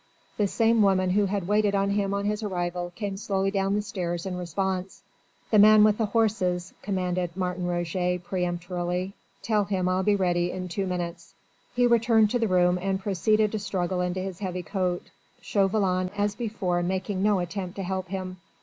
The same woman who had waited on him on his arrival came slowly down the stairs in response. "The man with the horses," commanded Martin Roget peremptorily. "Tell him I'll be ready in two minutes." He returned to the room and proceeded to struggle into his heavy coat, Chauvelin as before making no attempt to help him.